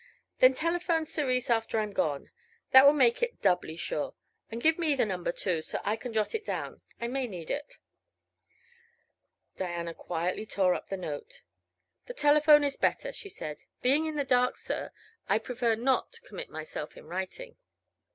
"Then telephone Cerise after I'm gone. That will make it doubly sure. And give me the number, too, so I can jot it down. I may need it." Diana quietly tore up the note. "The telephone is better," she said. "Being in the dark, sir, I prefer not to commit myself in writing."